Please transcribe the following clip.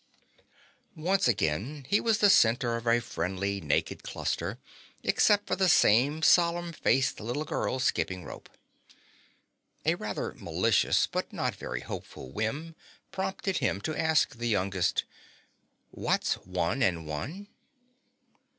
Once again he was the center of a friendly naked cluster, except for the same solemn faced little girl skipping rope. A rather malicious but not very hopeful whim prompted him to ask the youngest, "What's one and one?"